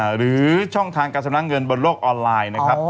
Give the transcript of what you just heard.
หรือช่องทางการสำนักเงินบนโลกออนไลน์